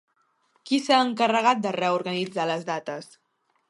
Qui s'ha encarregat de reorganitzar les dates?